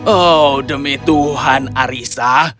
oh demi tuhan arissa